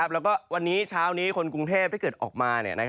แล้วก็วันนี้เช้านี้คนกรุงเทพถ้าเกิดออกมา